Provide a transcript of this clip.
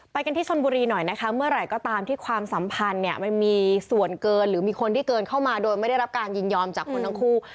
กันที่ชนบุรีหน่อยนะคะเมื่อไหร่ก็ตามที่ความสัมพันธ์เนี่ยมันมีส่วนเกินหรือมีคนที่เกินเข้ามาโดยไม่ได้รับการยินยอมจากคนทั้งคู่